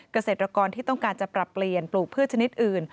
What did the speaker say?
เกษตรกรที่ต้องการจะปรับเปลี่ยนปลูกพืชชนิดอื่น